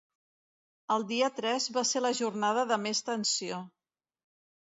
El dia tres va ser la jornada de més tensió.